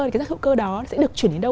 thì cái rác hữu cơ đó sẽ được chuyển đến đâu